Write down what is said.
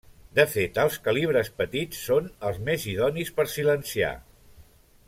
De fet, els calibres petits són els més idonis per silenciar.